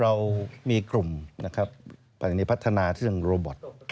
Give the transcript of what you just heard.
เรามีกลุ่มภัฒนาที่เรียกว่าโรบอท